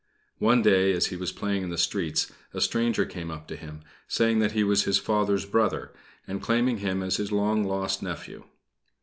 One day, as he was playing in the streets, a stranger came up to him, saying that he was his father's brother, and claiming him as his long lost nephew.